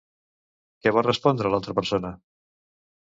Què va respondre l'altra persona?